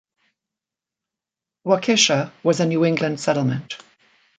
Waukesha was a New England settlement.